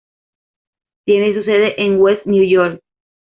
Tiene su sede en West New York.